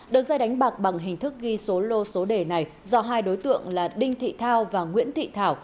đường dây đánh bạc bằng hình thức ghi số lô số đề này do hai đối tượng là đinh thị thao và nguyễn thị thảo